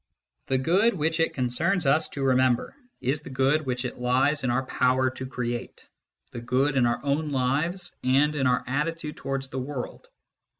The good which it concerns us to remember is the good which it lies in our power to create the good in our own lives and in our attitude towards the world.